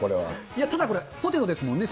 いやただ、これ、ポテトですもんね、